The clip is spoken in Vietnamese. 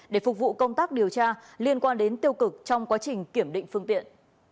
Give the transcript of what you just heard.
để phục vụ công tác điều tra liên quan đến tiêu cực trong quá trình kiểm định phương tiện